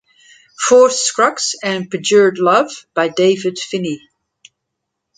Force Scruggs and "Perjured Love" by David Finney.